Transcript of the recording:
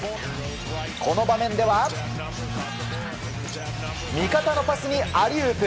この場面では、味方のパスにアリウープ！